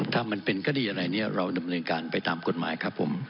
ถ้ามันเป็นคดีอะไรเนี่ยเราดำเนินการไปตามกฎหมายครับผม